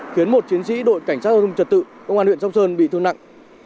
khiến một chiến sĩ đội cảnh sát giao thông trật tự công an huyện sóc sơn bị thương nặng